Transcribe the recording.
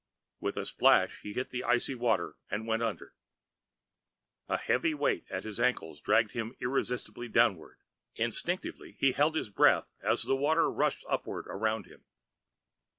With a splash he hit the icy water and went under. The heavy weight at his ankles dragged him irresistibly downward. Instinctively he held his breath as the water rushed upward around him.